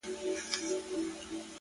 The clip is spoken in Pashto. ستا و مخ ته چي قدم دی خو ته نه يې”